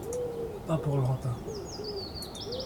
Pas pour longtemps.